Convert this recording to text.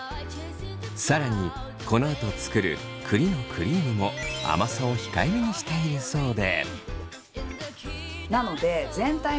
更にこのあと作る栗のクリームも甘さを控えめにしているそうで。